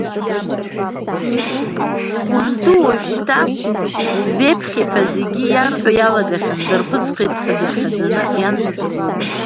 Хәынту уажәшьҭа Веԥхьи ҳәа зегьы иарҳәо иалагахьан дарԥысхеит ҳәа дыԥхьаӡаны, иан заҵәык лыда.